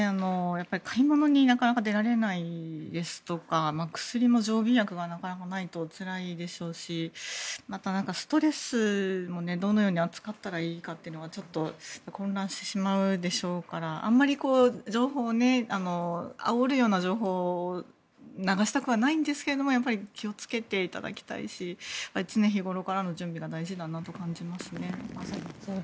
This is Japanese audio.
買い物になかなか出られないですとか薬も常備薬がないとなかなかつらいでしょうしまた、ストレスもどのように扱ったらいいかって混乱してしまうでしょうからあんまり情報をあおるような情報を流したくはないんですけど気をつけていただきたいし常日頃からの準備が大事だなと感じますね。